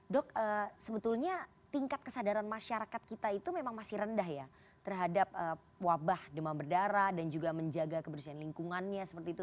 dok sebetulnya tingkat kesadaran masyarakat kita itu memang masih rendah ya terhadap wabah demam berdarah dan juga menjaga kebersihan lingkungannya seperti itu